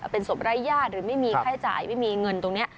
เป็นศพรายาทหรือไม่มีค่าใช้ไม่มีเงินตรงนี้